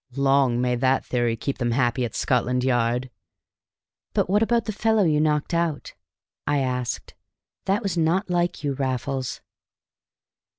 Long may that theory keep them happy at Scotland Yard!" "But what about the fellow you knocked out?" I asked. "That was not like you, Raffles."